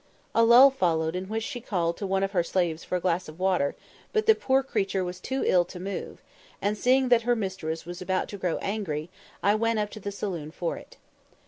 A lull followed, in which she called to one of her slaves for a glass of water; but the poor creature was too ill to move, and, seeing that her mistress was about to grow angry, I went up to the saloon for it.